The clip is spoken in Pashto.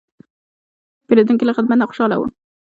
پیرودونکی له خدمت نه خوشاله و.